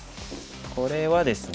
これはですね